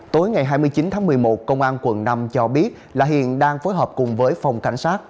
tối ngày hai mươi chín tháng một mươi một công an quận năm cho biết là hiện đang phối hợp cùng với phòng cảnh sát